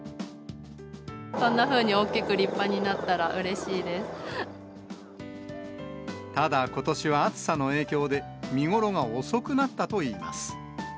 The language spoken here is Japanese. こんなふうに大きく立派になただ、ことしは暑さの影響で、見頃が遅くなったといいます。